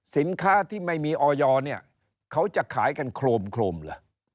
สินค้าที่ไม่มีออยเนี่ยเขาจะขายกันโครมล่ะ